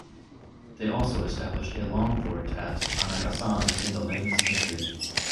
They also established a longphort at Annagassan in the ninth century.